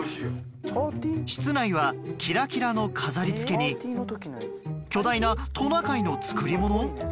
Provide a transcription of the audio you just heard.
室内はキラキラの飾りつけに巨大なトナカイの作り物？